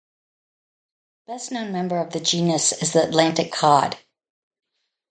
The best known member of the genus is the Atlantic cod.